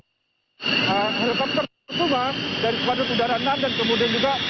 helikopter sumang dari skuadron udara enam dan kemudian juga